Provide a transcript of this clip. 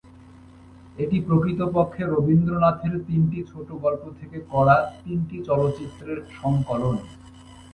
এটি প্রকৃতপক্ষে রবীন্দ্রনাথের তিনটি ছোট গল্প থেকে করা তিনটি চলচ্চিত্রের সংকলন।